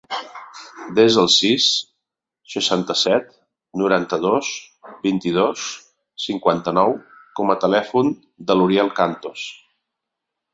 Desa el sis, seixanta-set, noranta-dos, vint-i-dos, cinquanta-nou com a telèfon de l'Uriel Cantos.